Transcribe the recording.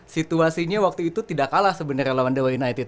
situasinya waktu itu tidak kalah sebenarnya lawan dewa united